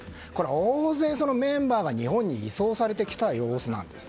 大勢メンバーが日本に移送されてきた様子なんです。